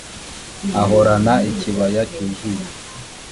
ahorana ikibaya cyuzuye,